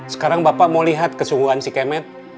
sekarang bapak mau lihat kesungguhan si kemet